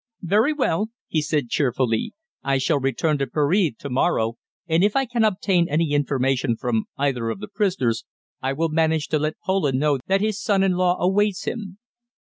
"Very well," he said cheerfully. "I shall return to Paris to morrow, and if I can obtain any information from either of the prisoners, I will manage to let Poland know that his son in law awaits him."